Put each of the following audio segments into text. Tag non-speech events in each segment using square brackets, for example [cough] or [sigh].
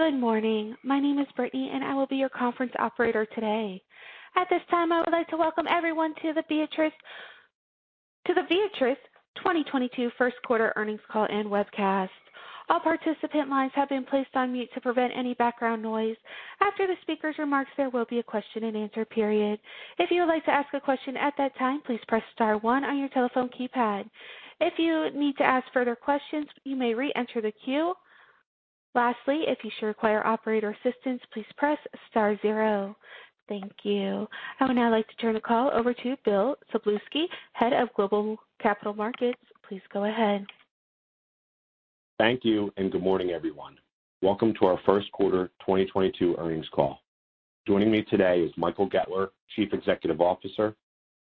Good morning. My name is Brittany, and I will be your conference operator today. At this time, I would like to welcome everyone to the Viatris 2022 First Quarter Earnings Call and Webcast. All participant lines have been placed on mute to prevent any background noise. After the speaker's remarks, there will be a question-and-answer period. If you would like to ask a question at that time, please press star one on your telephone keypad. If you need to ask further questions, you may re-enter the queue. Lastly, if you should require operator assistance, please press star zero. Thank you. I would now like to turn the call over to Bill Szablewski, Head of Global Capital Markets. Please go ahead. Thank you, and good morning, everyone. Welcome to our first quarter 2022 earnings call. Joining me today is Michael Goettler, Chief Executive Officer,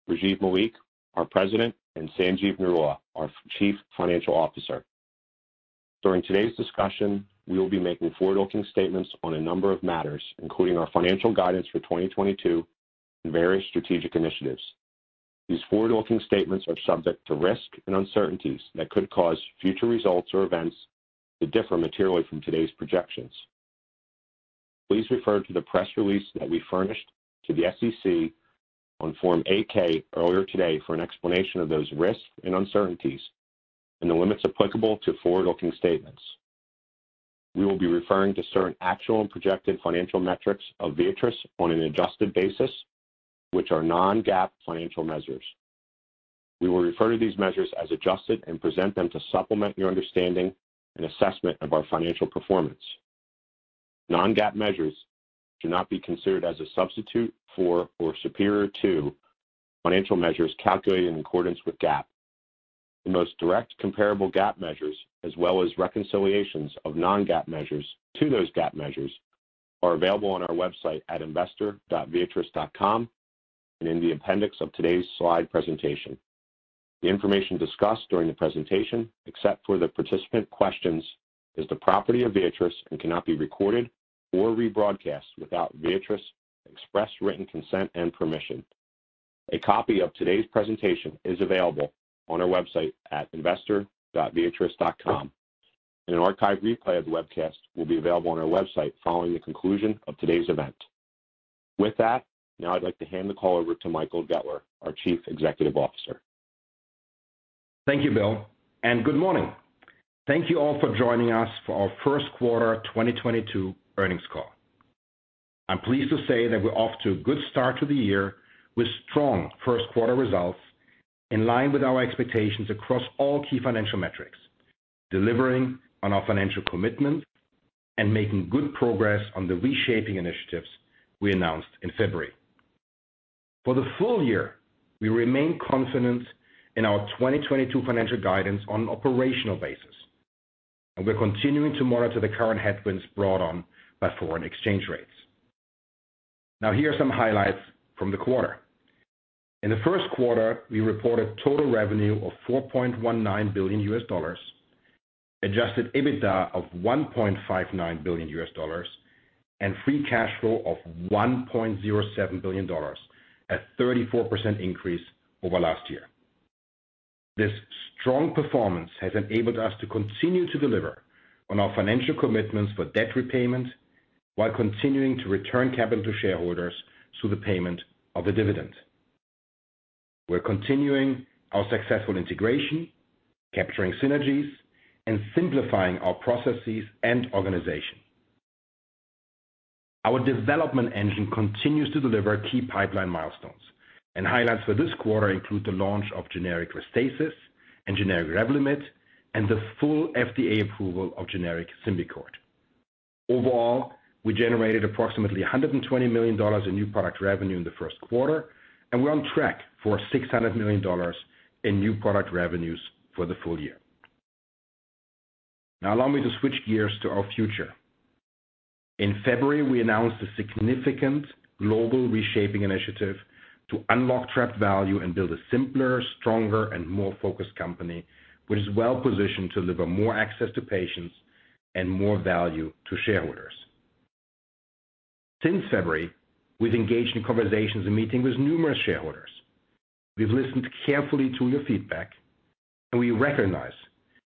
Rajiv Malik, our President, and Sanjeev Narula, our Chief Financial Officer. During today's discussion, we will be making forward-looking statements on a number of matters, including our financial guidance for 2022 and various strategic initiatives. These forward-looking statements are subject to risks and uncertainties that could cause future results or events to differ materially from today's projections. Please refer to the press release that we furnished to the SEC on Form 8-K earlier today for an explanation of those risks and uncertainties and the limits applicable to forward-looking statements. We will be referring to certain actual and projected financial metrics of Viatris on an adjusted basis, which are non-GAAP financial measures. We will refer to these measures as adjusted and present them to supplement your understanding and assessment of our financial performance. Non-GAAP measures should not be considered as a substitute for or superior to financial measures calculated in accordance with GAAP. The most direct comparable GAAP measures as well as reconciliations of non-GAAP measures to those GAAP measures are available on our website at investor.viatris.com and in the appendix of today's slide presentation. The information discussed during the presentation, except for the participant questions, is the property of Viatris and cannot be recorded or rebroadcast without Viatris express written consent and permission. A copy of today's presentation is available on our website at investor.viatris.com. An archive replay of the webcast will be available on our website following the conclusion of today's event. With that, now I'd like to hand the call over to Michael Goettler, our Chief Executive Officer. Thank you, Bill, and good morning. Thank you all for joining us for our First Quarter 2022 Earnings Call. I'm pleased to say that we're off to a good start to the year with strong first quarter results in line with our expectations across all key financial metrics, delivering on our financial commitment and making good progress on the reshaping initiatives we announced in February. For the full year, we remain confident in our 2022 financial guidance on an operational basis, and we're continuing to monitor the current headwinds brought on by foreign exchange rates. Now, here are some highlights from the quarter. In the first quarter, we reported total revenue of $4.19 billion, adjusted EBITDA of $1.59 billion, and free cash flow of $1.07 billion, a 34% increase over last year. This strong performance has enabled us to continue to deliver on our financial commitments for debt repayment while continuing to return capital to shareholders through the payment of the dividend. We're continuing our successful integration, capturing synergies, and simplifying our processes and organization. Our development engine continues to deliver key pipeline milestones. Highlights for this quarter include the launch of generic Restasis and generic REVLIMID, and the full FDA approval of generic Symbicort. Overall, we generated approximately $120 million in new product revenue in the first quarter, and we're on track for $600 million in new product revenues for the full year. Now allow me to switch gears to our future. In February, we announced a significant global reshaping initiative to unlock trapped value and build a simpler, stronger, and more focused company, which is well-positioned to deliver more access to patients and more value to shareholders. Since February, we've engaged in conversations and meetings with numerous shareholders. We've listened carefully to your feedback, and we recognize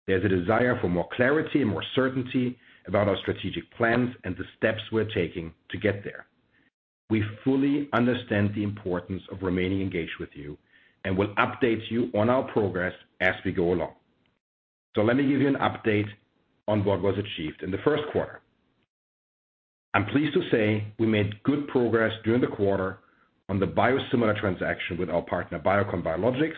there's a desire for more clarity and more certainty about our strategic plans and the steps we're taking to get there. We fully understand the importance of remaining engaged with you, and we'll update you on our progress as we go along. Let me give you an update on what was achieved in the first quarter. I'm pleased to say we made good progress during the quarter on the biosimilar transaction with our partner, Biocon Biologics,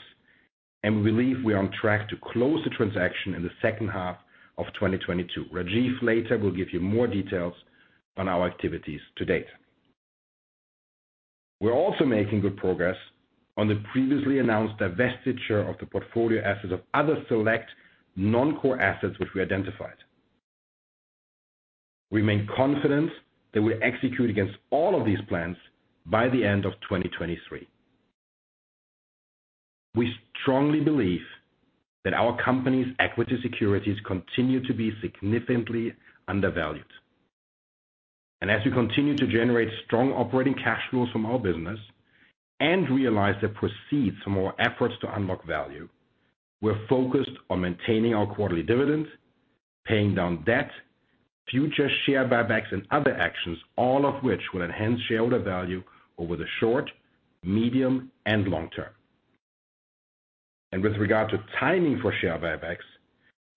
and we believe we're on track to close the transaction in the second half of 2022. Rajiv later will give you more details on our activities to date. We're also making good progress on the previously announced divestiture of the portfolio assets of other select non-core assets which we identified. We remain confident that we'll execute against all of these plans by the end of 2023. We strongly believe that our company's equity securities continue to be significantly undervalued. As we continue to generate strong operating cash flows from our business and realize the proceeds from our efforts to unlock value, we're focused on maintaining our quarterly dividends, paying down debt, future share buybacks, and other actions, all of which will enhance shareholder value over the short, medium, and long term. With regard to timing for share buybacks,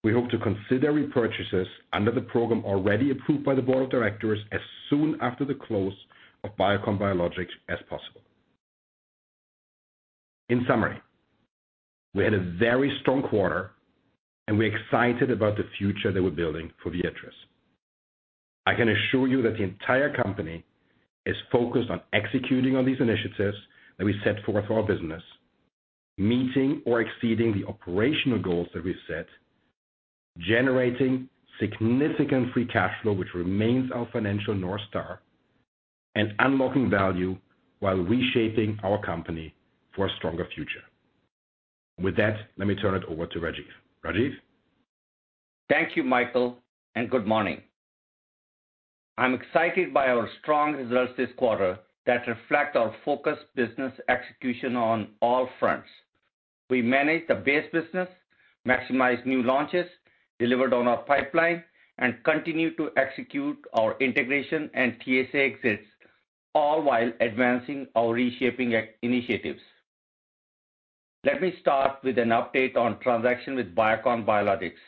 we hope to consider repurchases under the program already approved by the board of directors as soon after the close of Biocon Biologics as possible. In summary, we had a very strong quarter, and we're excited about the future that we're building for Viatris. I can assure you that the entire company is focused on executing on these initiatives that we set forth for our business, meeting or exceeding the operational goals that we set, generating significant free cash flow, which remains our financial North Star, and unlocking value while reshaping our company for a stronger future. With that, let me turn it over to Rajiv. Rajiv? Thank you, Michael, and good morning. I'm excited by our strong results this quarter that reflect our focused business execution on all fronts. We managed the base business, maximized new launches, delivered on our pipeline, and continued to execute our integration and TSA exits, all while advancing our reshaping initiatives. Let me start with an update on transaction with Biocon Biologics.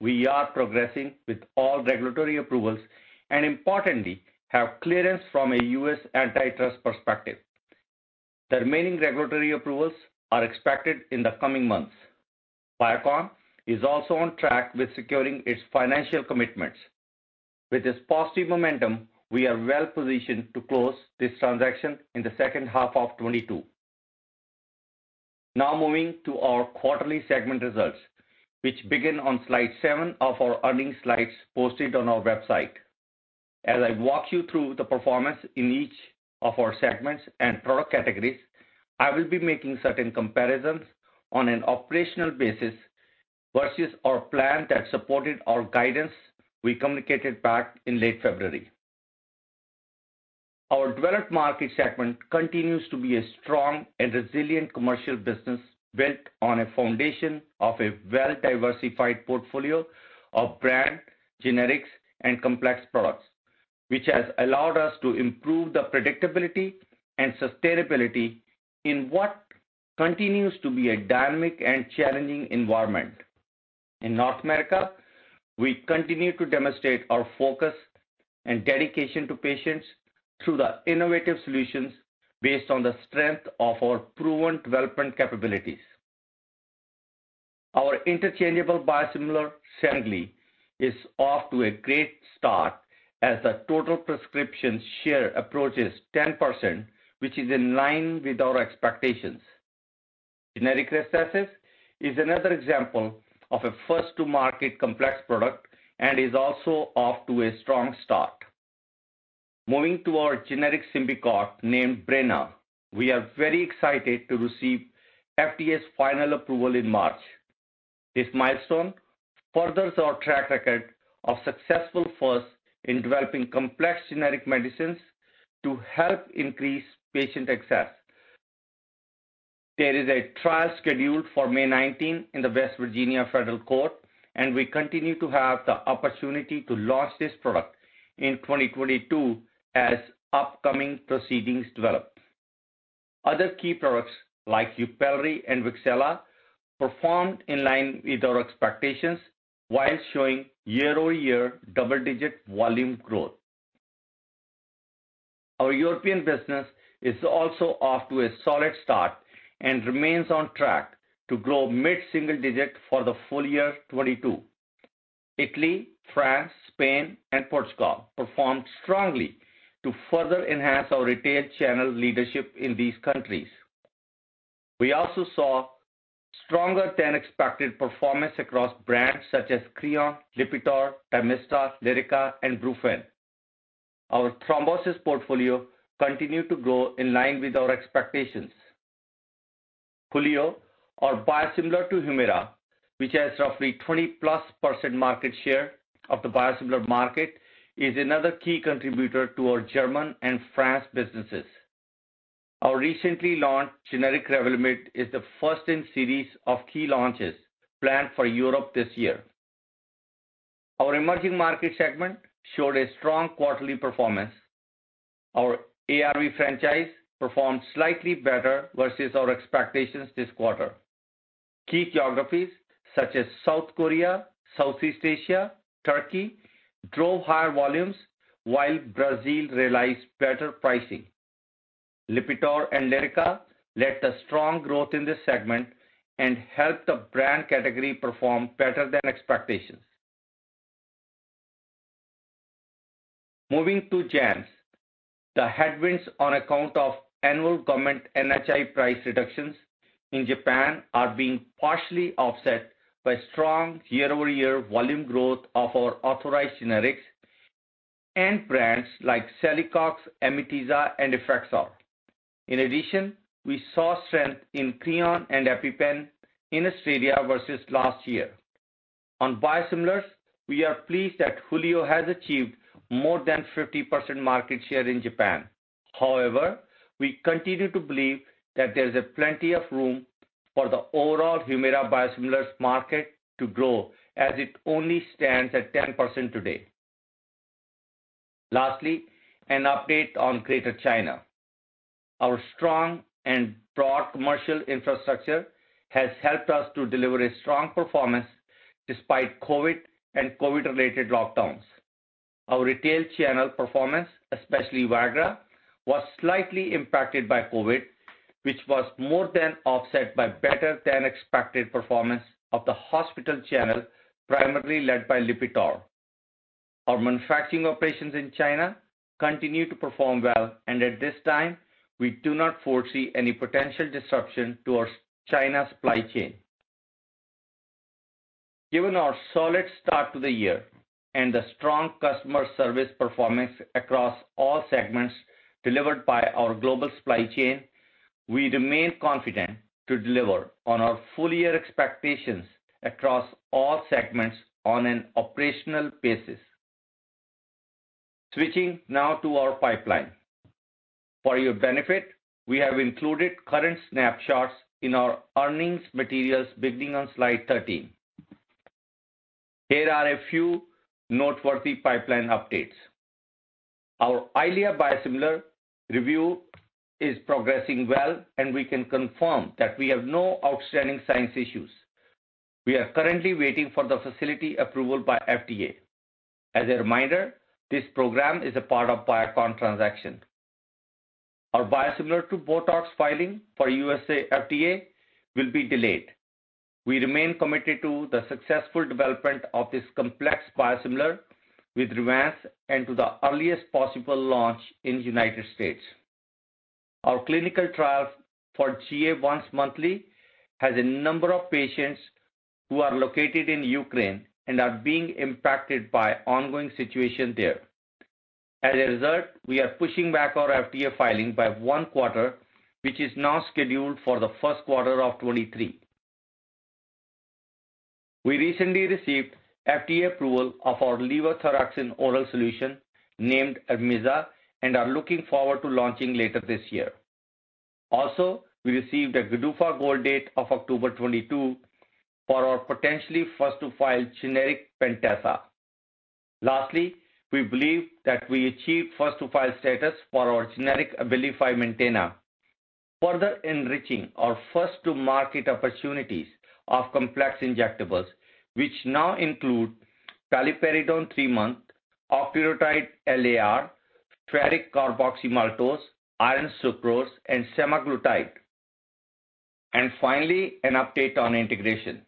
We are progressing with all regulatory approvals and importantly, have clearance from a U.S. antitrust perspective. The remaining regulatory approvals are expected in the coming months. Biocon is also on track with securing its financial commitments. With this positive momentum, we are well-positioned to close this transaction in the second half of 2022. Now moving to our quarterly segment results, which begin on slide seven of our earnings slides posted on our website. As I walk you through the performance in each of our segments and product categories, I will be making certain comparisons on an operational basis versus our plan that supported our guidance we communicated back in late February. Our developed market segment continues to be a strong and resilient commercial business built on a foundation of a well-diversified portfolio of brand, generics, and complex products, which has allowed us to improve the predictability and sustainability in what continues to be a dynamic and challenging environment. In North America, we continue to demonstrate our focus and dedication to patients through the innovative solutions based on the strength of our proven development capabilities. Our interchangeable biosimilar, Semglee, is off to a great start as the total prescription share approaches 10%, which is in line with our expectations. Generic Restasis is another example of a first-to-market complex product and is also off to a strong start. Moving to our generic Symbicort named Breyna. We are very excited to receive FDA's final approval in March. This milestone furthers our track record of successful firsts in developing complex generic medicines to help increase patient access. There is a trial scheduled for May 19th in the West Virginia Federal Court, and we continue to have the opportunity to launch this product in 2022 as upcoming proceedings develop. Other key products like YUPELRI and Wixela performed in line with our expectations while showing year-over-year double-digit volume growth. Our European business is also off to a solid start and remains on track to grow mid-single-digit for the full year 2022. Italy, France, Spain, and Portugal performed strongly to further enhance our retail channel leadership in these countries. We also saw stronger than expected performance across brands such as Creon, Lipitor, Tamiflu, Lyrica, and Brufen. Our thrombosis portfolio continued to grow in line with our expectations. Hulio or biosimilar to Humira, which has roughly 20%+ market share of the biosimilar market, is another key contributor to our Germany and France businesses. Our recently launched generic REVLIMID is the first in series of key launches planned for Europe this year. Our emerging market segment showed a strong quarterly performance. Our ARV franchise performed slightly better versus our expectations this quarter. Key geographies such as South Korea, Southeast Asia, Turkey, drove higher volumes while Brazil realized better pricing. Lipitor and Lyrica led the strong growth in this segment and helped the brand category perform better than expectations. Moving to JANZ. The headwinds on account of annual government NHI price reductions in Japan are being partially offset by strong year-over-year volume growth of our authorized generics and brands like Celecox, Amitiza, and Effexor. In addition, we saw strength in Creon and EpiPen in Australia versus last year. On biosimilars, we are pleased that Hulio has achieved more than 50% market share in Japan. However, we continue to believe that there's plenty of room for the overall Humira biosimilars market to grow, as it only stands at 10% today. Lastly, an update on Greater China. Our strong and broad commercial infrastructure has helped us to deliver a strong performance despite COVID and COVID-related lockdowns. Our retail channel performance, especially Viagra, was slightly impacted by COVID, which was more than offset by better-than-expected performance of the hospital channel, primarily led by Lipitor. Our manufacturing operations in China continue to perform well, and at this time, we do not foresee any potential disruption to our China supply chain. Given our solid start to the year and the strong customer service performance across all segments delivered by our global supply chain, we remain confident to deliver on our full-year expectations across all segments on an operational basis. Switching now to our pipeline. For your benefit, we have included current snapshots in our earnings materials beginning on slide 13. Here are a few noteworthy pipeline updates. Our EYLEA biosimilar review is progressing well, and we can confirm that we have no outstanding science issues. We are currently waiting for the facility approval by FDA. As a reminder, this program is a part of Biocon transaction. Our biosimilar to Botox filing for U.S. FDA will be delayed. We remain committed to the successful development of this complex biosimilar with Revance and to the earliest possible launch in the U.S.. Our clinical trial for GA once monthly has a number of patients who are located in Ukraine and are being impacted by the ongoing situation there. As a result, we are pushing back our FDA filing by one quarter, which is now scheduled for the first quarter of 2023. We recently received FDA approval of our levothyroxine oral solution, named Ermeza, and are looking forward to launching later this year. Also, we received a GDUFA goal date of October 2022 for our potentially first-to-file generic Pentasa. Lastly, we believe that we achieved first-to-file status for our generic Abilify Maintena, further enriching our first-to-market opportunities of complex injectables, which now include paliperidone three-month, octreotide LAR, ferric carboxymaltose, iron sucrose, and semaglutide. Finally, an update on integration.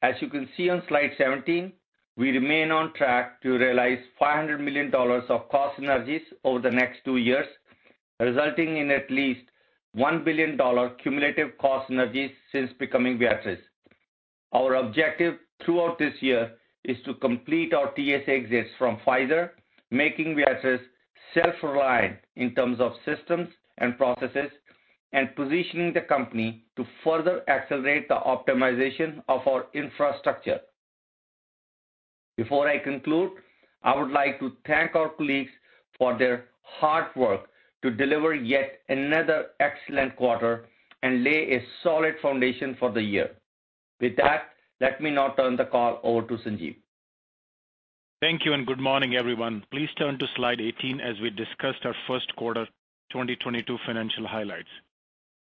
As you can see on slide 17, we remain on track to realize $500 million of cost synergies over the next two years, resulting in at least $1 billion cumulative cost synergies since becoming Viatris. Our objective throughout this year is to complete our TSA exits from Pfizer, making Viatris self-reliant in terms of systems and processes, and positioning the company to further accelerate the optimization of our infrastructure. Before I conclude, I would like to thank our colleagues for their hard work to deliver yet another excellent quarter and lay a solid foundation for the year. With that, let me now turn the call over to Sanjeev. Thank you and good morning, everyone. Please turn to slide 18 as we discuss our first quarter 2022 financial highlights.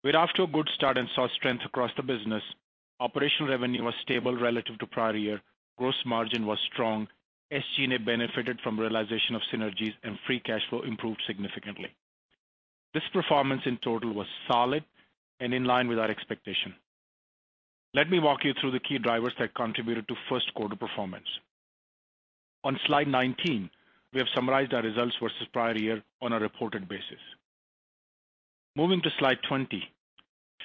We're off to a good start and saw strength across the business. Operational revenue was stable relative to prior year. Gross margin was strong. SG&A benefited from realization of synergies and free cash flow improved significantly. This performance in total was solid and in line with our expectation. Let me walk you through the key drivers that contributed to first quarter performance. On slide 19, we have summarized our results versus prior year on a reported basis. Moving to slide 20.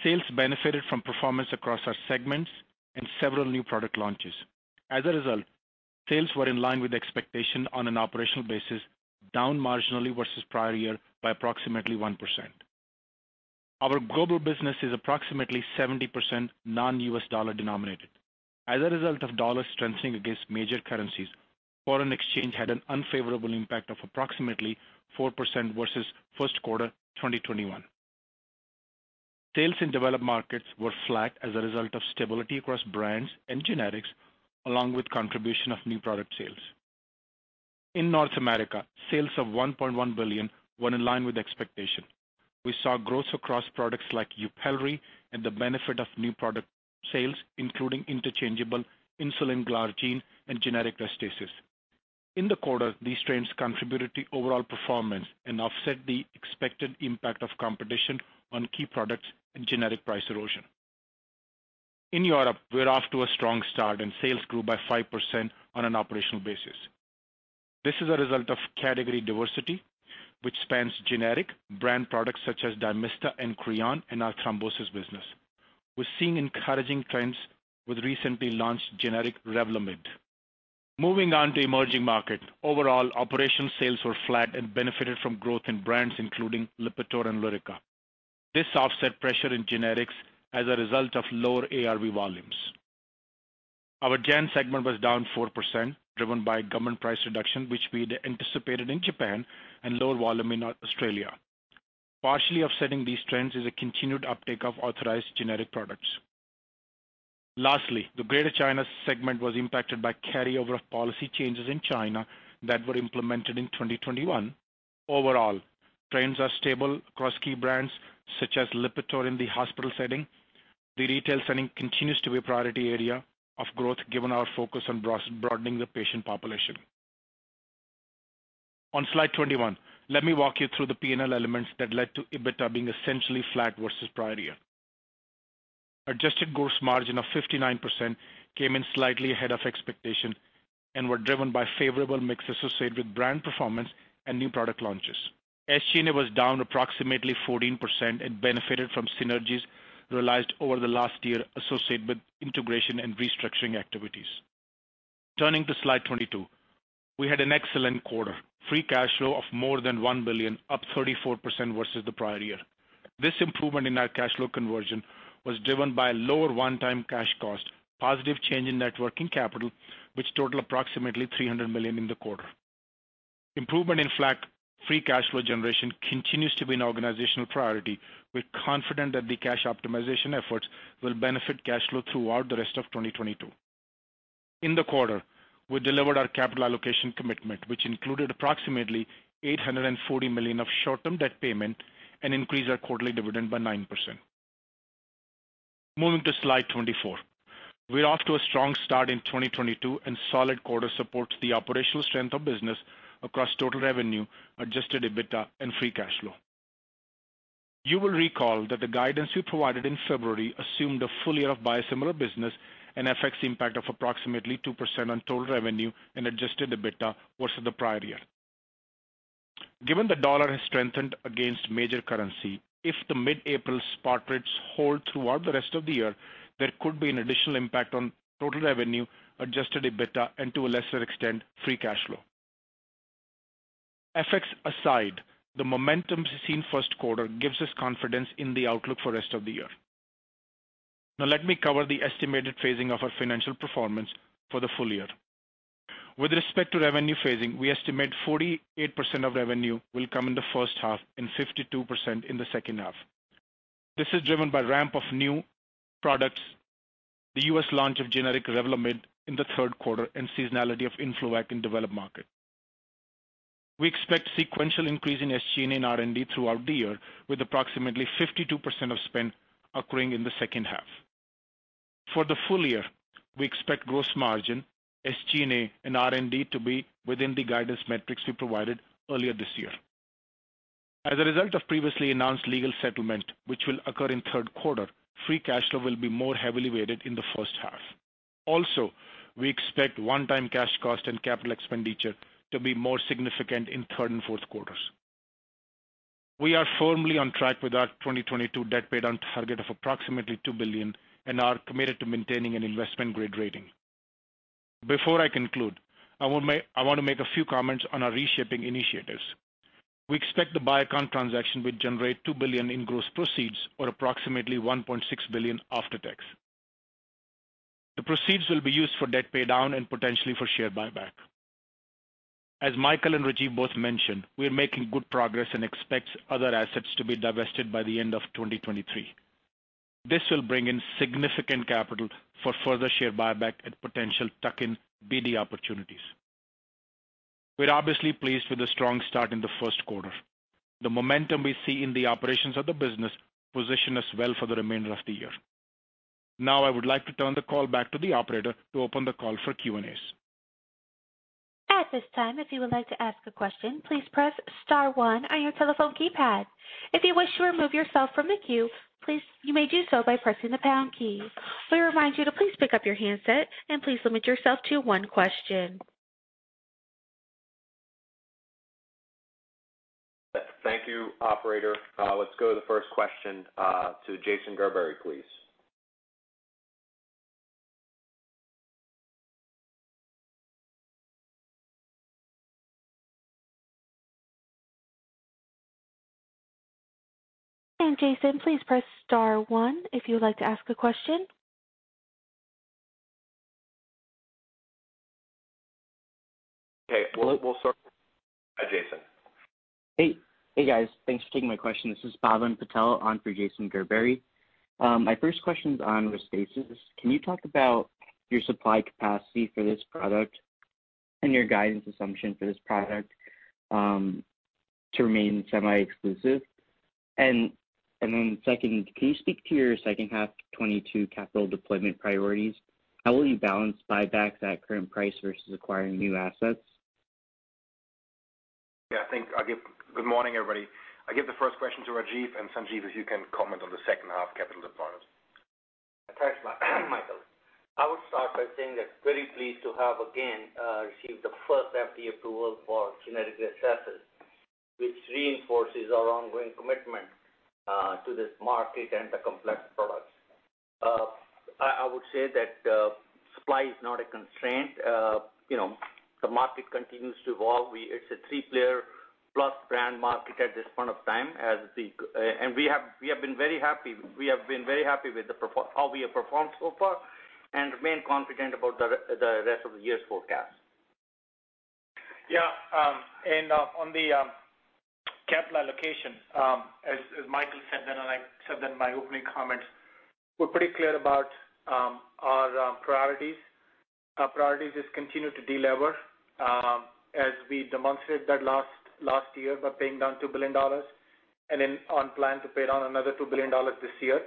Sales benefited from performance across our segments and several new product launches. As a result, sales were in line with expectation on an operational basis, down marginally versus prior year by approximately 1%. Our global business is approximately 70% non-U.S. dollar denominated. As a result of dollar strengthening against major currencies, foreign exchange had an unfavorable impact of approximately 4% versus first quarter 2021. Sales in developed markets were flat as a result of stability across brands and generics, along with contribution of new product sales. In North America, sales of $1.1 billion were in line with expectation. We saw growth across products like YUPELRI and the benefit of new product sales, including interchangeable insulin glargine and generic Restasis. In the quarter, these trends contributed to overall performance and offset the expected impact of competition on key products and generic price erosion. In Europe, we're off to a strong start, and sales grew by 5% on an operational basis. This is a result of category diversity, which spans generic brand products such as Dymista and Creon in our thrombosis business. We're seeing encouraging trends with recently launched generic REVLIMID. Moving on to emerging markets. Overall, operational sales were flat and benefited from growth in brands including Lipitor and Lyrica. This offset pressure in generics as a result of lower ARV volumes. Our JANZ segment was down 4%, driven by government price reduction, which we'd anticipated in Japan and lower volume in Australia. Partially offsetting these trends is a continued uptake of authorized generic products. Lastly, the Greater China segment was impacted by carryover of policy changes in China that were implemented in 2021. Overall, trends are stable across key brands such as Lipitor in the hospital setting. The retail setting continues to be a priority area of growth given our focus on broadening the patient population. On slide 21, let me walk you through the P&L elements that led to EBITDA being essentially flat versus prior year. Adjusted gross margin of 59% came in slightly ahead of expectation and were driven by favorable mix associated with brand performance and new product launches. SG&A was down approximately 14% and benefited from synergies realized over the last year associated with integration and restructuring activities. Turning to slide 22. We had an excellent quarter. Free cash flow of more than $1 billion, up 34% versus the prior year. This improvement in our cash flow conversion was driven by lower one-time cash cost, positive change in net working capital, which totaled approximately $300 million in the quarter. Improvement in free cash flow generation continues to be an organizational priority. We're confident that the cash optimization efforts will benefit cash flow throughout the rest of 2022. In the quarter, we delivered our capital allocation commitment, which included approximately $840 million of short-term debt payment and increased our quarterly dividend by 9%. Moving to slide 24. We're off to a strong start in 2022, and solid quarter supports the operational strength of business across total revenue, adjusted EBITDA, and free cash flow. You will recall that the guidance we provided in February assumed a full year of biosimilar business and FX impact of approximately 2% on total revenue and adjusted EBITDA versus the prior year. Given the dollar has strengthened against major currency, if the mid-April spot rates hold throughout the rest of the year, there could be an additional impact on total revenue, adjusted EBITDA, and to a lesser extent, free cash flow. FX aside, the momentum seen first quarter gives us confidence in the outlook for rest of the year. Now let me cover the estimated phasing of our financial performance for the full year. With respect to revenue phasing, we estimate 48% of revenue will come in the first half and 52% in the second half. This is driven by ramp of new products, the U.S. launch of generic REVLIMID in the third quarter and seasonality of Influvac in developed market. We expect sequential increase in SG&A and R&D throughout the year, with approximately 52% of spend occurring in the second half. For the full year, we expect gross margin, SG&A, and R&D to be within the guidance metrics we provided earlier this year. As a result of previously announced legal settlement, which will occur in third quarter, free cash flow will be more heavily weighted in the first half. Also, we expect one-time cash cost and capital expenditure to be more significant in third and fourth quarters. We are firmly on track with our 2022 debt pay down target of approximately $2 billion and are committed to maintaining an investment-grade rating. Before I conclude, I want to make a few comments on our reshaping initiatives. We expect the Biocon transaction will generate $2 billion in gross proceeds or approximately $1.6 billion after tax. The proceeds will be used for debt pay down and potentially for share buyback. As Michael and Rajiv both mentioned, we are making good progress and expect other assets to be divested by the end of 2023. This will bring in significant capital for further share buyback and potential tuck-in BD opportunities. We're obviously pleased with the strong start in the first quarter. The momentum we see in the operations of the business position us well for the remainder of the year. Now I would like to turn the call back to the operator to open the call for Q&As. At this time, if you would like to ask a question, please press star one on your telephone keypad. If you wish to remove yourself from the queue, you may do so by pressing the pound key. We remind you to please pick up your handset and please limit yourself to one question. Thank you, operator. Let's go to the first question, to Jason Gerberry, please. Jason, please press star one if you would like to ask a question. Okay. We'll start with Jason. Hey. Hey, guys. Thanks for taking my question. This is Bhavin Patel on for Jason Gerberry. My first question is on Restasis. Can you talk about your supply capacity for this product and your guidance assumption for this product to remain semi-exclusive? Then, second, can you speak to your second half 2022 capital deployment priorities? How will you balance buybacks at current price versus acquiring new assets? Good morning, everybody. I give the first question to Rajiv, and Sanjeev, if you can comment on the second half capital deployment. Thanks, Michael. I would start by saying I'm very pleased to have again received the first FDA approval for generic Restasis, which reinforces our ongoing commitment to this market and the complex products. I would say that supply is not a constraint. You know, the market continues to evolve. It's a three-player plus brand market at this point of time. We have been very happy with how we have performed so far and remain confident about the rest of the year's forecast. Yeah, on the capital allocation, as Michael said then, and I said that in my opening comments, we're pretty clear about our priorities. Our priority is just continue to delever, as we demonstrated that last year by paying down $2 billion, and then on plan to pay down another $2 billion this year,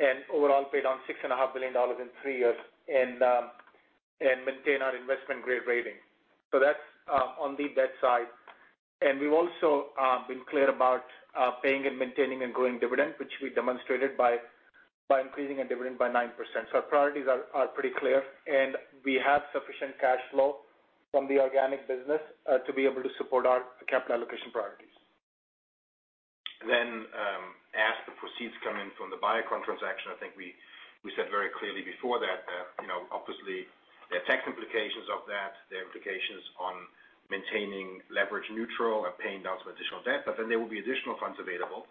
and overall pay down $6.5 billion in three years and maintain our investment-grade rating. That's on the debt side. We've also been clear about paying and maintaining and growing dividend, which we demonstrated by increasing our dividend by 9%. Our priorities are pretty clear, and we have sufficient cash flow from the organic business to be able to support our capital allocation priorities. As the proceeds come in from the Biocon transaction, I think we said very clearly before that, you know, obviously, there are tax implications of that, there are implications on maintaining leverage neutral and paying down some additional debt, but then there will be additional funds available.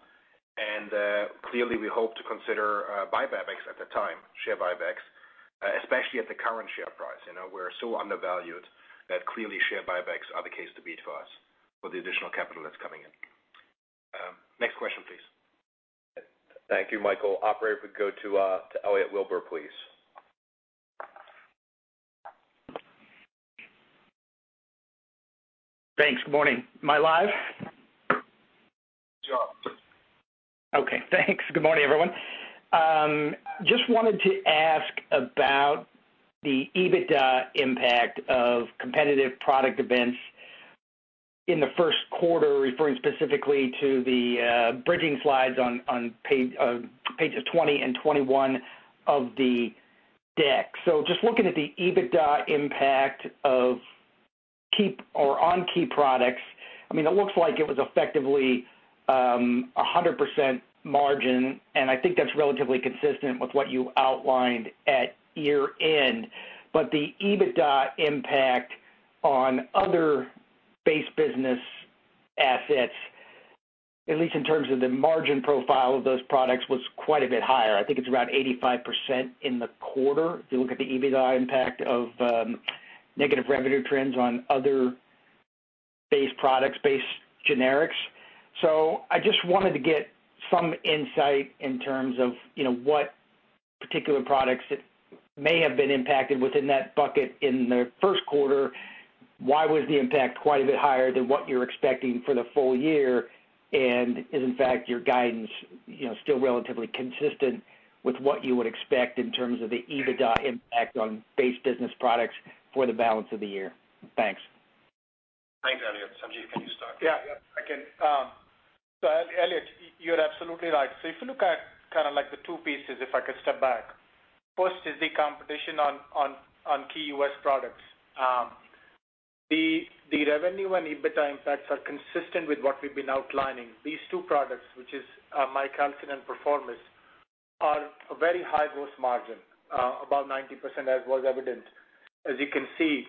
Clearly, we hope to consider buybacks at the time, share buybacks, especially at the current share price. You know, we're so undervalued that clearly share buybacks are the case to beat for us for the additional capital that's coming in. Next question, please. Thank you, Michael. Operator, if we go to Elliot Wilbur, please. Thanks. Good morning. Am I live? Sure. Okay, thanks. Good morning, everyone. Just wanted to ask about the EBITDA impact of competitive product events in the first quarter, referring specifically to the bridging slides on page pages 20 and 21 of the deck. Just looking at the EBITDA impact of key or on key products, I mean, it looks like it was effectively a 100% margin, and I think that's relatively consistent with what you outlined at year-end. The EBITDA impact on other base business assets, at least in terms of the margin profile of those products, was quite a bit higher. I think it's around 85% in the quarter if you look at the EBITDA impact of negative revenue trends on other base products, base generics. I just wanted to get some insight in terms of, you know, what particular products that may have been impacted within that bucket in the first quarter. Why was the impact quite a bit higher than what you're expecting for the full year? Is, in fact, your guidance, you know, still relatively consistent with what you would expect in terms of the EBITDA impact on base business products for the balance of the year? Thanks. Thanks, Elliot. Sanjeev, can you start? Yeah. Yeah, I can. Elliot, you're absolutely right. If you look at kinda like the two pieces, if I could step back. First is the competition on key U.S. products. The revenue and EBITDA impacts are consistent with what we've been outlining. These two products, which is Mycobutin and Perforomist, are a very high gross margin, about 90% as was evident. As you can see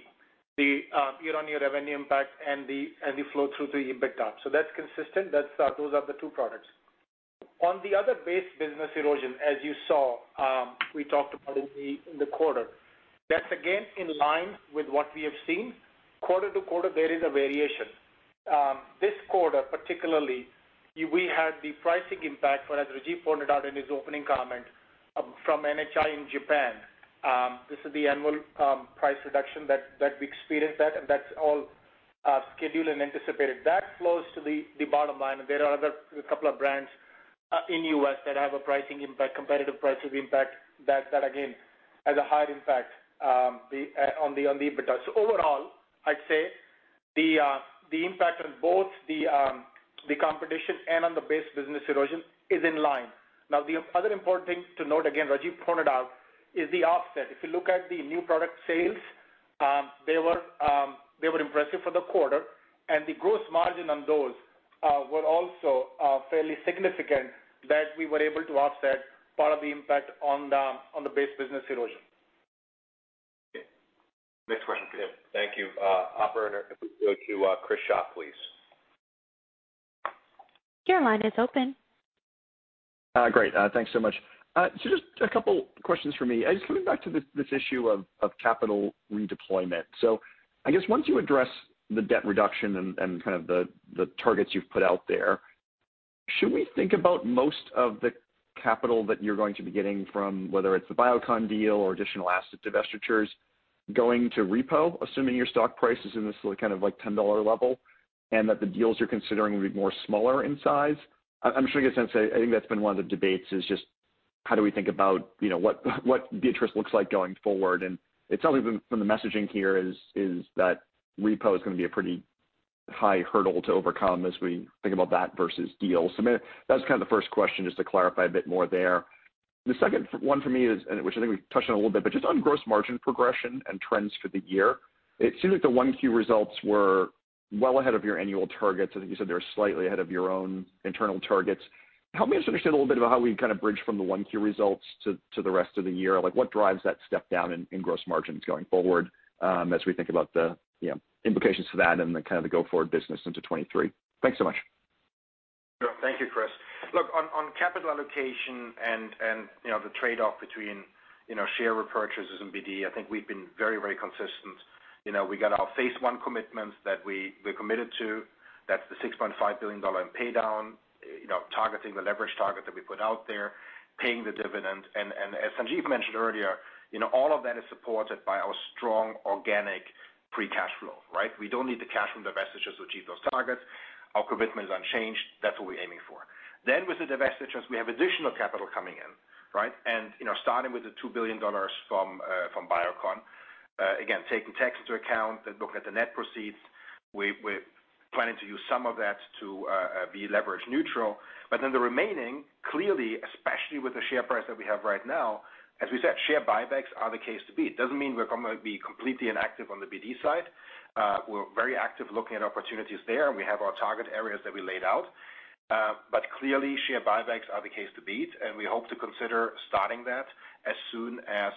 the year-on-year revenue impact and the flow through to the EBITDA. That's consistent. That's those are the two products. On the other base business erosion, as you saw, we talked about in the quarter. That's again in line with what we have seen. Quarter-to-quarter, there is a variation. This quarter, particularly, we had the pricing impact, as Rajiv pointed out in his opening comment, from NHI in Japan. This is the annual price reduction that we experienced, and that's all scheduled and anticipated. That flows to the bottom line, and there are other couple of brands in U.S. that have a pricing impact, competitive pricing impact that again has a higher impact on the EBITDA. Overall, I'd say the impact on both the competition and on the base business erosion is in line. Now, the other important thing to note, again, Rajiv pointed out, is the offset. If you look at the new product sales, they were impressive for the quarter, and the gross margin on those were also fairly significant that we were able to offset part of the impact on the base business erosion. Okay. Next question. Thank you. Operator, if we could go to Chris Schott, please. Your line is open. Great. Thanks so much. Just a couple questions from me. Just coming back to this issue of capital redeployment. I guess once you address the debt reduction and kind of the targets you've put out there, should we think about most of the capital that you're going to be getting from, whether it's the Biocon deal or additional asset divestitures, going to repo, assuming your stock price is in this kind of like $10 level and that the deals you're considering will be more smaller in size? I'm sure you get a sense. I think that's been one of the debates is just how do we think about, you know, what Viatris looks like going forward. It sounds like from the messaging here is that repo is gonna be a pretty high hurdle to overcome as we think about that versus deals. That was kind of the first question, just to clarify a bit more there. The second one for me is, and which I think we've touched on a little bit, but just on gross margin progression and trends for the year. It seems like the 1Q results were well ahead of your annual targets. I think you said they were slightly ahead of your own internal targets. Help me just understand a little bit about how we kind of bridge from the 1Q results to the rest of the year. Like what drives that step down in gross margins going forward, as we think about the, you know, implications for that and then kind of the go forward business into 2023. Thanks so much. Sure. Thank you, Chris. Look on capital allocation and, you know, the trade-off between, you know, share repurchases and BD, I think we've been very consistent. You know, we got our phase one commitments that we're committed to. That's the $6.5 billion in pay down, you know, targeting the leverage target that we put out there, paying the dividend. As Sanjeev mentioned earlier, you know, all of that is supported by our strong organic free cash flow, right? We don't need the cash from divestitures to achieve those targets. Our commitment is unchanged. That's what we're aiming for. With the divestitures, we have additional capital coming in, right? And, you know, starting with the $2 billion from Biocon. Again, taking tax into account and look at the net proceeds, we're planning to use some of that to be leverage neutral. The remaining, clearly, especially with the share price that we have right now, as we said, share buybacks are the case to beat. It doesn't mean we're gonna be completely inactive on the BD side. We're very active looking at opportunities there, and we have our target areas that we laid out. Clearly, share buybacks are the case to beat, and we hope to consider starting that as soon as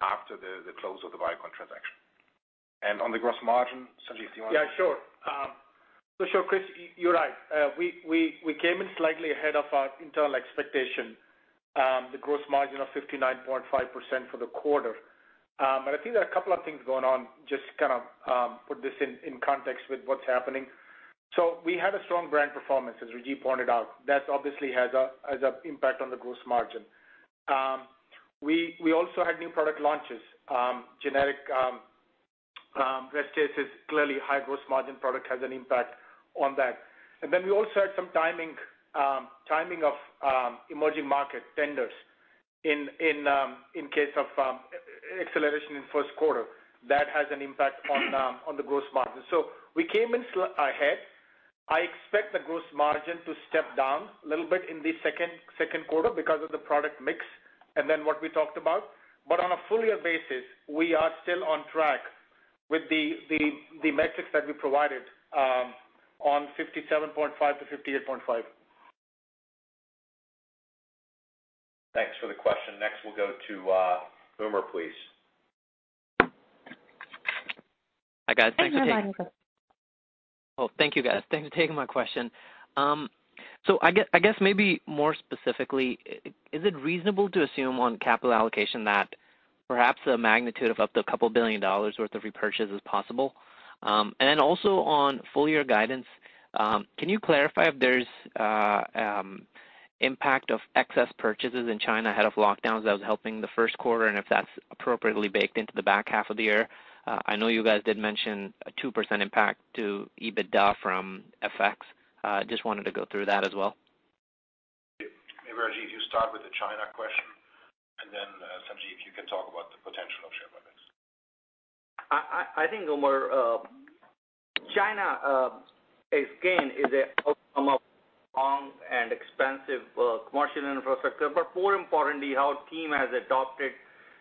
after the close of the Biocon transaction. On the gross margin, Sanjeev, do you wanna? [crosstalk] Yeah, sure. So sure, Chris, you're right. We came in slightly ahead of our internal expectation, the gross margin of 59.5% for the quarter. But I think there are a couple of things going on just to kind of put this in context with what's happening. We had a strong brand performance, as Rajiv pointed out. That obviously has an impact on the gross margin. We also had new product launches, generic Restasis is clearly high gross margin product has an impact on that. And then we also had some timing of emerging market tenders in case of acceleration in first quarter. That has an impact on the gross margin. We came in ahead. I expect the gross margin to step down a little bit in the second quarter because of the product mix and then what we talked about. On a full year basis, we are still on track with the metrics that we provided on 57.5%-58.5%. Thanks for the question. Next, we'll go to, Umer, please. Hi, guys. Thanks for taking [crosstalk] Your line is open. Thank you, guys. Thanks for taking my question. I guess maybe more specifically, is it reasonable to assume on capital allocation that perhaps a magnitude of up to $2 billion worth of repurchase is possible? Then also on full year guidance, can you clarify if there's impact of excess purchases in China ahead of lockdowns that was helping the first quarter, and if that's appropriately baked into the back half of the year? I know you guys did mention a 2% impact to EBITDA from FX. Just wanted to go through that as well. Maybe, Rajiv, you start with the China question, and then, Sanjeev, you can talk about the potential of share buybacks. I think, Umer, China again is an outcome of long and expensive commercial infrastructure, but more importantly, our team has adapted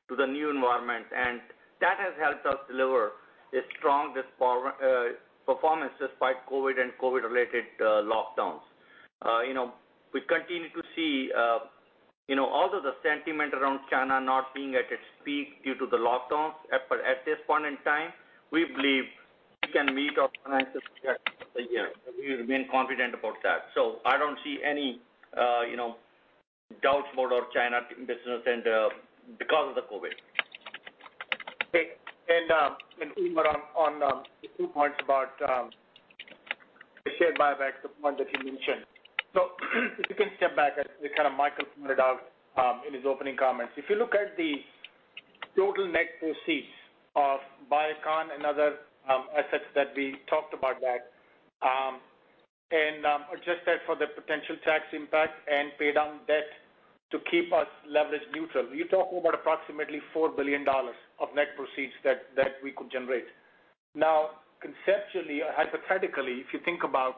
to the new environment, and that has helped us deliver a strong performance despite COVID and COVID-related lockdowns. You know, we continue to see, you know, although the sentiment around China not being at its peak due to the lockdowns at this point in time, we believe we can meet our financial targets for the year. We remain confident about that. I don't see any, you know, doubts about our China business and because of the COVID. Okay. Umer on the two points about the share buyback, the point that you mentioned. If you can step back, as kind of Michael pointed out in his opening comments. If you look at the total net proceeds of Biocon and other assets that we talked about that and adjust that for the potential tax impact and pay down debt to keep us leverage neutral, you're talking about approximately $4 billion of net proceeds that we could generate. Now, conceptually or hypothetically, if you think about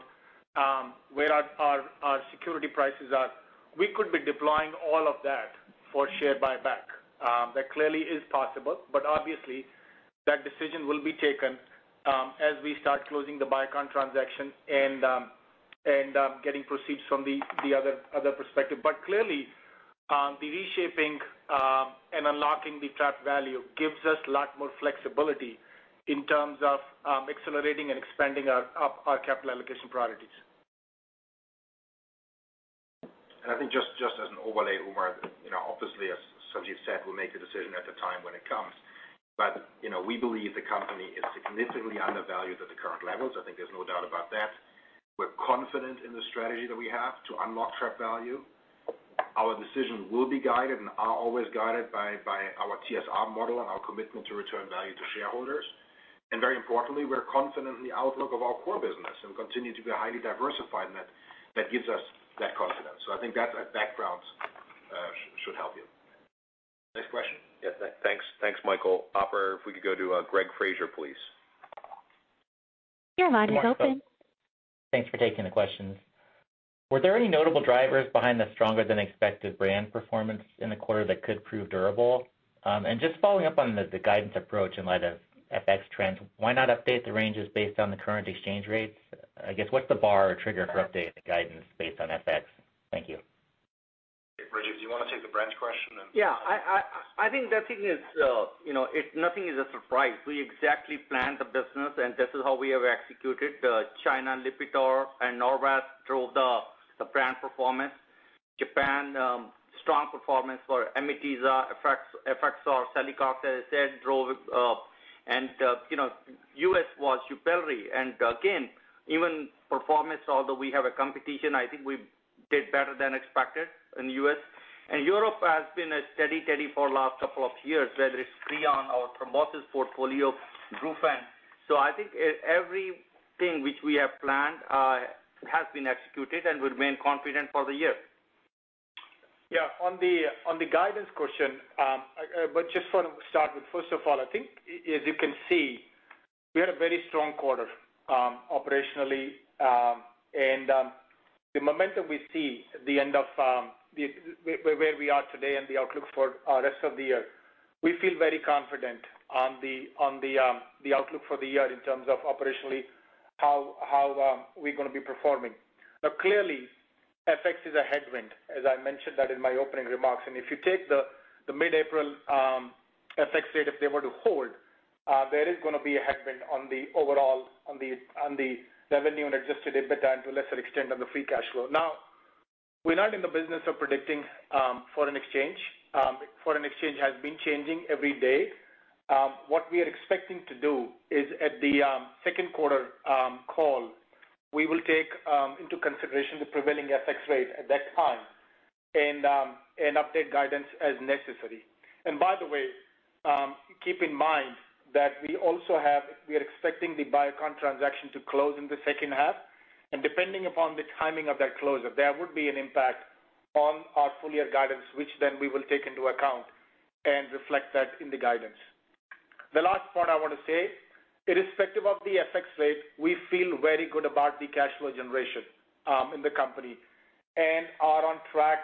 where our security prices are, we could be deploying all of that for share buyback. That clearly is possible, but obviously, that decision will be taken as we start closing the Biocon transaction and getting proceeds from the other perspective. Clearly, the reshaping and unlocking the trapped value gives us a lot more flexibility in terms of accelerating and expanding our capital allocation priorities. I think just as an overlay, Umer, you know, obviously, as Sanjeev said, we'll make a decision at the time when it comes. But, you know, we believe the company is significantly undervalued at the current levels. I think there's no doubt about that. We're confident in the strategy that we have to unlock trapped value. Our decisions will be guided and are always guided by our TSR model and our commitment to return value to shareholders. Very importantly, we're confident in the outlook of our core business and continue to be highly diversified, and that gives us that confidence. So I think that background should help you. Next question? Yes, thanks, Michael. Operator, if we could go to, Greg Fraser, please. Your line is open. Thanks for taking the questions. Were there any notable drivers behind the stronger than expected brand performance in the quarter that could prove durable? Just following up on the guidance approach in light of FX trends, why not update the ranges based on the current exchange rates? I guess, what's the bar or trigger for update the guidance based on FX? Thank you. Rajiv, do you wanna take the brand question and [crosstalk] Yeah. I think that nothing is a surprise. We exactly planned the business, and this is how we have executed. In China, Lipitor and Norvasc drove the brand performance. Japan, strong performance for Amitiza, as well as our celecoxib, as I said, drove, and U.S. was YUPELRI. Again, revenue performance, although we have competition, I think we did better than expected in the U.S.. Europe has been a steady Eddie for last couple of years, whether it's Creon, our thrombosis portfolio, Brufen. I think everything which we have planned has been executed and we remain confident for the year. Yeah. On the guidance question, but just wanna start with first of all, I think as you can see, we had a very strong quarter, operationally. The momentum we see at the end of where we are today and the outlook for rest of the year, we feel very confident on the outlook for the year in terms of operationally how we're gonna be performing. Now clearly, FX is a headwind, as I mentioned that in my opening remarks. If you take the mid-April FX rate if they were to hold, there is gonna be a headwind on the revenue and adjusted EBITDA, and to a lesser extent on the free cash flow. Now, we're not in the business of predicting, foreign exchange. Foreign exchange has been changing every day. What we are expecting to do is at the second quarter call, we will take into consideration the prevailing FX rate at that time and update guidance as necessary. By the way, keep in mind that we are expecting the Biocon transaction to close in the second half. Depending upon the timing of that closure, there would be an impact on our full year guidance, which then we will take into account and reflect that in the guidance. The last part I wanna say, irrespective of the FX rate, we feel very good about the cash flow generation in the company, and are on track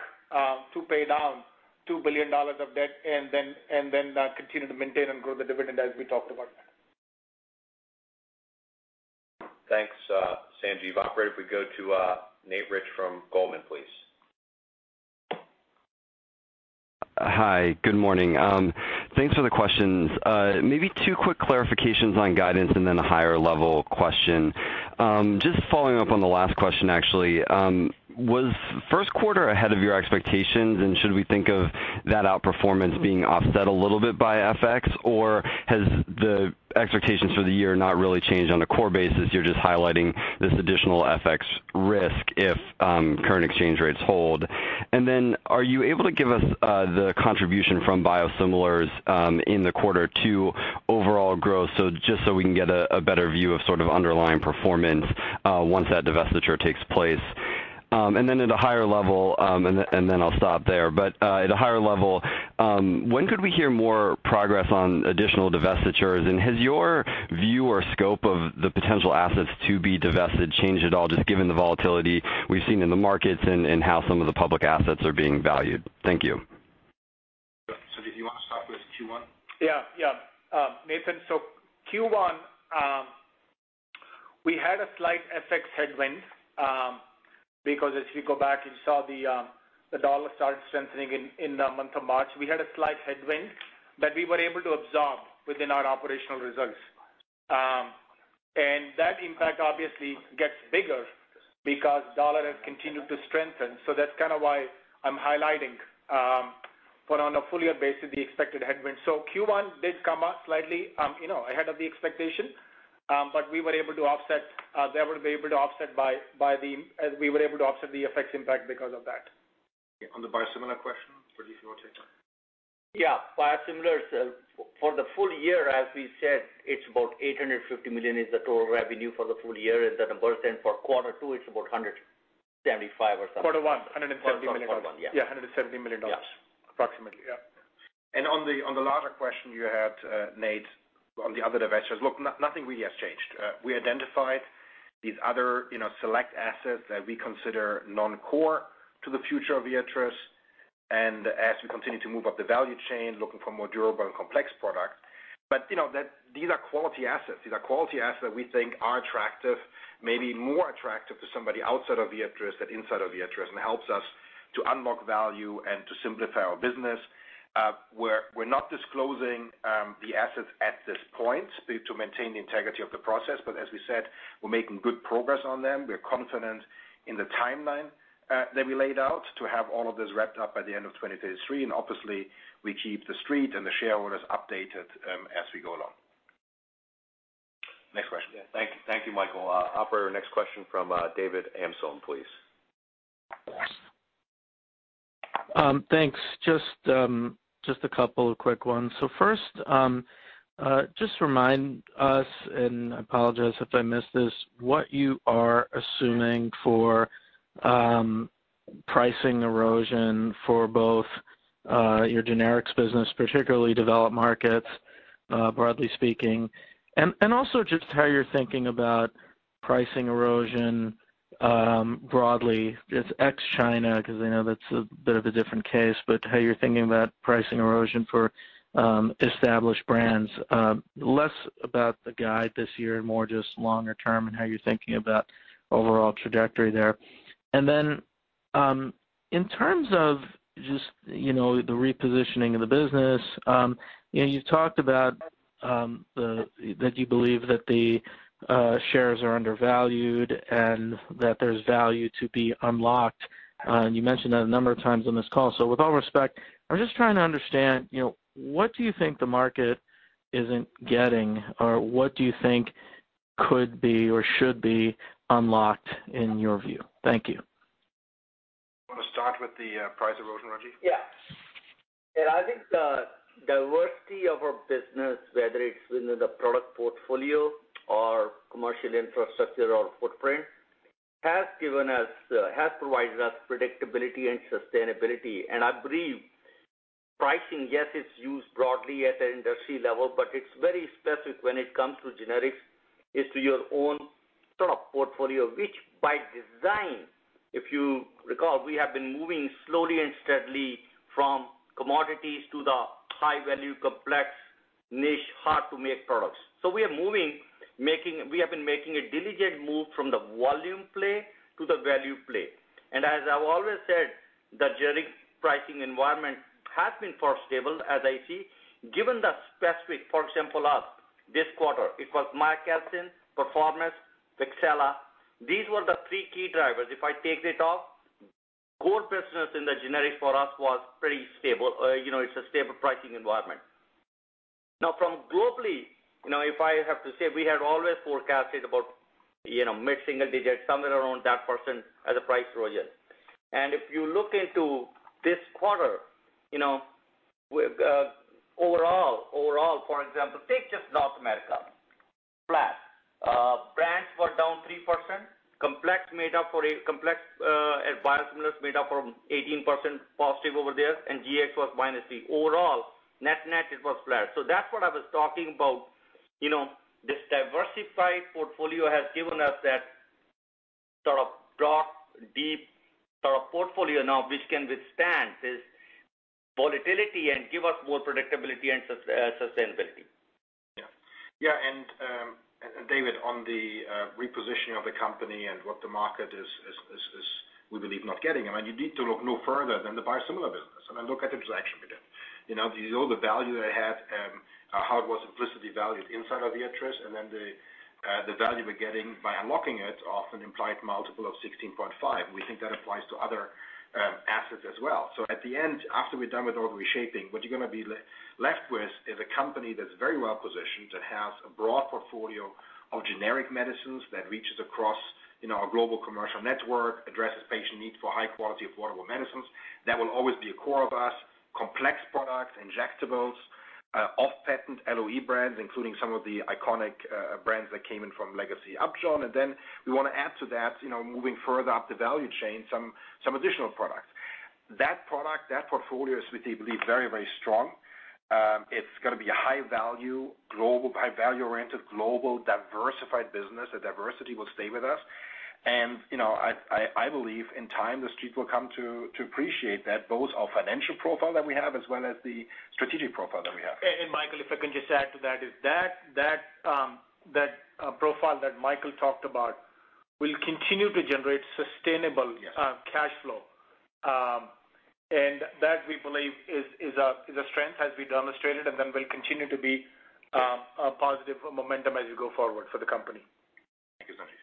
to pay down $2 billion of debt, and then continue to maintain and grow the dividend as we talked about. Thanks, Sanjeev. Operator, if we go to Nate Rich from Goldman, please. Hi. Good morning. Thanks for the questions. Maybe two quick clarifications on guidance and then a higher level question. Just following up on the last question, actually, was first quarter ahead of your expectations, and should we think of that outperformance being offset a little bit by FX? Or has the expectations for the year not really changed on a core basis, you're just highlighting this additional FX risk if current exchange rates hold? And then are you able to give us the contribution from biosimilars in the quarter to overall growth, so just so we can get a better view of sort of underlying performance once that divestiture takes place? And then at a higher level, and then I'll stop there. At a higher level, when could we hear more progress on additional divestitures? Has your view or scope of the potential assets to be divested changed at all, just given the volatility we've seen in the markets and how some of the public assets are being valued? Thank you. Do you wanna start with Q1? Yeah. Nathan, so Q1, we had a slight FX headwind, because as you go back, you saw the dollar started strengthening in the month of March. We had a slight headwind that we were able to absorb within our operational results. That impact obviously gets bigger because dollar has continued to strengthen. That's kind of why I'm highlighting, but on a full year basis, the expected headwind. Q1 did come up slightly, you know, ahead of the expectation, but we were able to offset the FX impact because of that. On the biosimilar question, Rajiv, you wanna take that? Biosimilars for the full year, as we said, it's about $850 million is the total revenue for the full year. For quarter two, it's about $175 million or something. Quarter 1. $170 million. Oh, sorry, quarter one. Yeah. Yeah, $170 million. Yeah. Approximately. Yeah. On the larger question you had, Nate, on the other divestitures. Look, nothing really has changed. We identified these other, you know, select assets that we consider non-core to the future of Viatris, and as we continue to move up the value chain, looking for more durable and complex products. You know, that these are quality assets. These are quality assets we think are attractive, maybe more attractive to somebody outside of Viatris than inside of Viatris, and helps us to unlock value and to simplify our business. We're not disclosing the assets at this point to maintain the integrity of the process. As we said, we're making good progress on them. We're confident in the timeline that we laid out to have all of this wrapped up by the end of 2023. Obviously, we keep the street and the shareholders updated, as we go along. Next question. Yeah. Thank you, Michael. Operator, next question from David Amsellem, please. Thanks. Just a couple of quick ones. First, just remind us, and I apologize if I missed this, what you are assuming for pricing erosion for both your generics business, particularly developed markets, broadly speaking. Also just how you're thinking about pricing erosion, broadly, just ex-China, 'cause I know that's a bit of a different case, but how you're thinking about pricing erosion for established brands. Less about the guide this year, more just longer term and how you're thinking about overall trajectory there. Then, in terms of just, you know, the repositioning of the business, you know, you've talked about that you believe that the shares are undervalued and that there's value to be unlocked. You mentioned that a number of times on this call. With all due respect, I'm just trying to understand, you know, what do you think the market isn't getting, or what do you think could be or should be unlocked in your view? Thank you. Wanna start with the price erosion, Rajiv? Yeah. Yeah, I think the diversity of our business, whether it's within the product portfolio or commercial infrastructure or footprint, has provided us predictability and sustainability. I believe pricing, yes, it's used broadly at an industry level, but it's very specific when it comes to generics, as to your own sort of portfolio, which by design, if you recall, we have been moving slowly and steadily from commodities to the high-value, complex, niche, hard-to-make products. We have been making a diligent move from the volume play to the value play. As I've always said, the generic pricing environment has been fairly stable as I see. Given the specifics, for example, in the U.S. this quarter, it was Meloxicam, Perforomist, Wixela. These were the three key drivers. If I take that off, core business in the generic for us was pretty stable, you know, it's a stable pricing environment. Now from globally, you know, if I have to say, we had always forecasted about, you know, mid-single digits, somewhere around that percent as a price erosion. If you look into this quarter, you know, with overall, for example, take just North America. Flat. Brands were down 3%. Complex and biosimilars made up for 18+% over there, and Gx was -3%. Overall, net-net, it was flat. That's what I was talking about, you know, this diversified portfolio has given us that sort of broad, deep sort of portfolio now which can withstand this volatility and give us more predictability and sustainability. Yeah. Yeah, David, on the repositioning of the company and what the market is not getting, we believe. I mean, you need to look no further than the biosimilar business. I mean, look at the transaction we did. You know, the value that it had, how it was implicitly valued inside of the enterprise and then the value we're getting by unlocking it at an implied multiple of 16.5. We think that applies to other assets as well. At the end, after we're done with all the reshaping, what you're gonna be left with is a company that's very well-positioned, that has a broad portfolio of generic medicines that reaches across, you know, our global commercial network, addresses patient need for high quality, affordable medicines. That will always be a core of us. Complex products, injectables, off-patent LOE brands, including some of the iconic brands that came in from Legacy Upjohn. Then we wanna add to that, moving further up the value chain, some additional products. That product, that portfolio is we believe very strong. It's gonna be a high value, global high value-oriented, global diversified business. The diversity will stay with us. I believe in time the street will come to appreciate that both our financial profile that we have as well as the strategic profile that we have. Michael, if I can just add to that profile that Michael talked about will continue to generate sustainable- Yes. Cash flow. That we believe is a strength has been demonstrated and then will continue to be a positive momentum as we go forward for the company. Thank you, Sanjeev.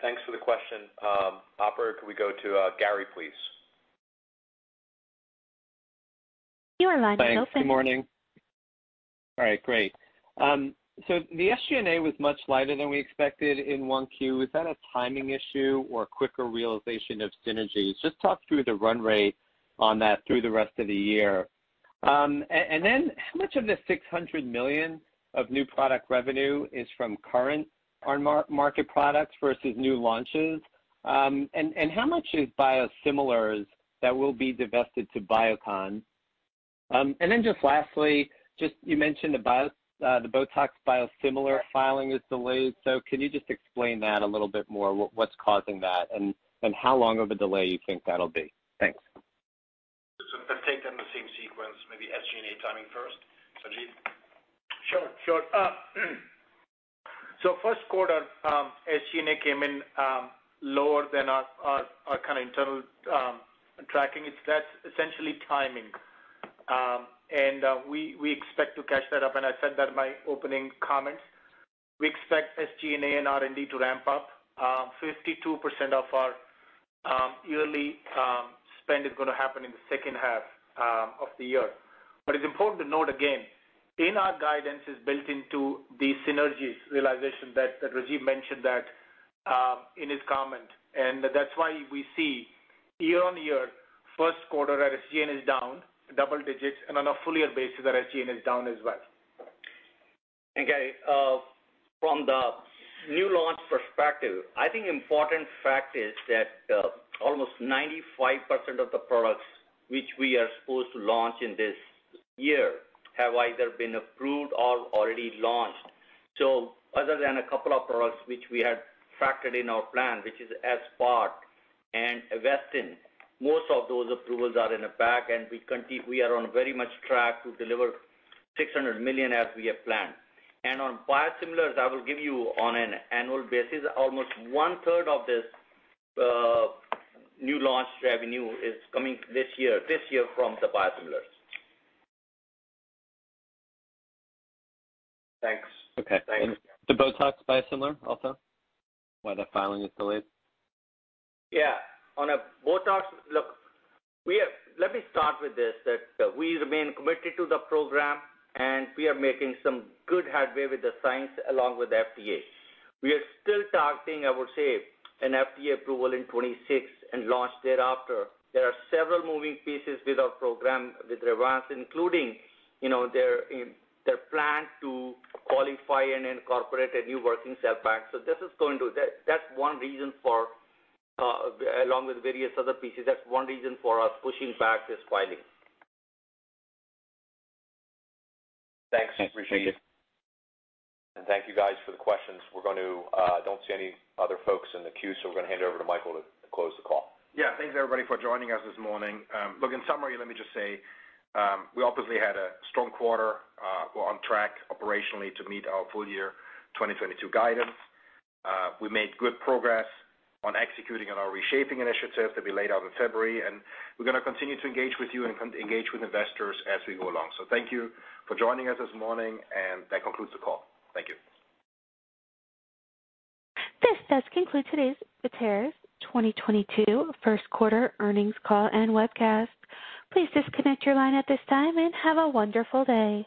Thanks for the question. Operator, could we go to Gary, please? Your line is open. Thanks. Good morning. All right, great. So the SG&A was much lighter than we expected in 1Q. Is that a timing issue or quicker realization of synergies? Just talk through the run rate on that through the rest of the year. And then how much of the $600 million of new product revenue is from current on-market products versus new launches? And how much is biosimilars that will be divested to Biocon? And then just lastly, you mentioned about the Botox biosimilar filing is delayed, so can you just explain that a little bit more, what's causing that, and how long of a delay you think that'll be? Thanks. Let's take them the same sequence, maybe SG&A timing first. Sanjeev? Sure, sure. First quarter, SG&A came in lower than our kind of internal tracking. That's essentially timing. We expect to catch that up, and I said that in my opening comments. We expect SG&A and R&D to ramp up. 52% of our yearly spend is gonna happen in the second half of the year. It's important to note again, our guidance is built into the synergies realization that Rajiv mentioned in his comment. That's why we see year-on-year, first quarter our SG&A is down double digits and on a full year basis, our SG&A is down as well. Okay. From the new launch perspective, I think important fact is that almost 95% of the products which we are supposed to launch in this year have either been approved or already launched. Other than a couple of products which we had factored in our plan, which is Spiriva and Avastin, most of those approvals are in the bag, and we are on very much track to deliver $600 million as we have planned. On biosimilars, I will give you on an annual basis, almost 1/3 of this new launch revenue is coming this year, this year from the biosimilars. Thanks. Okay. Thanks. The Botox biosimilar also, why the filing is delayed? Let me start with this, that we remain committed to the program, and we are making some good headway with the science along with FDA. We are still targeting, I would say, an FDA approval in 2026 and launch thereafter. There are several moving pieces with our program, with Revance, including, you know, their plan to qualify and incorporate a new working cell bank. That’s one reason, along with various other pieces, for us pushing back this filing. Thanks, Rajiv Malik. Thank you. Thank you guys for the questions. We don't see any other folks in the queue, so we're gonna hand it over to Michael to close the call. Yeah. Thanks, everybody, for joining us this morning. Look, in summary, let me just say, we obviously had a strong quarter, we're on track operationally to meet our full year 2022 guidance. We made good progress on executing on our reshaping initiative that we laid out in February, and we're gonna continue to engage with you and engage with investors as we go along. Thank you for joining us this morning, and that concludes the call. Thank you. This does conclude today's Viatris's 2022 first quarter earnings call and webcast. Please disconnect your line at this time and have a wonderful day.